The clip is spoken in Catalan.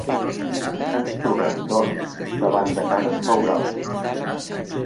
Ens trobem, doncs, davant de cases feudals.